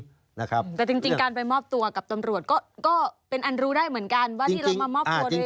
แต่จริงการไปมอบตัวกับตำรวจก็เป็นอันรู้ได้เหมือนกัน